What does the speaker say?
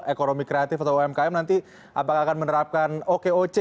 ekonomi kreatif atau umkm nanti apakah akan menerapkan okoc